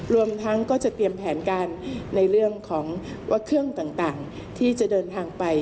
รวมทั้งก็จะเตรียมแผนการในเรื่องของว่าเครื่องต่างที่จะเดินทางไป